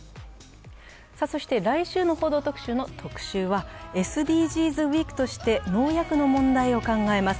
来週の「報道特集」の特集はＳＤＧｓウイークとして農薬の問題を考えます。